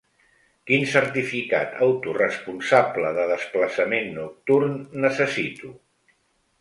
Quin certificat autoresponsable de desplaçament nocturn necessito?